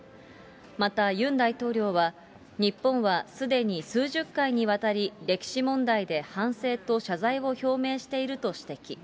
また、ユン大統領は、日本はすでに数十回にわたり、歴史問題で反省と謝罪を表明していると指摘。